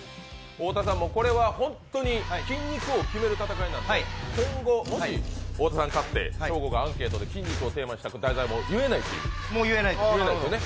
太田さん、これは本当に筋肉王を決める戦いなので今後、もし太田さんが勝ったらショーゴがアンケートで筋肉をテーマにした題材はもう言えないですよね？